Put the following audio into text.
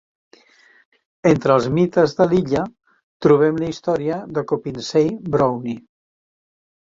Entre els mites de l'illa, trobem la història de Copinsay Brownie.